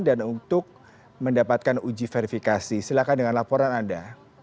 dan untuk mendapatkan uji verifikasi silahkan dengan laporan anda